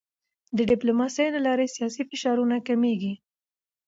د ډیپلوماسی له لارې سیاسي فشارونه کمېږي.